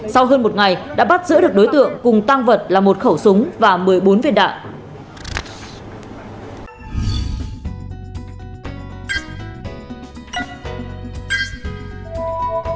sau hơn một ngày đã bắt giữ được đối tượng cùng tăng vật là một khẩu súng và một mươi bốn viên đạn